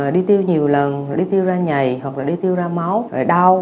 đi tiêu nhiều lần đi tiêu ra nhầy hoặc là đi tiêu ra máu đau